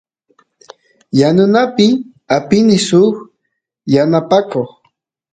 yanunapi apini suk yanapakoq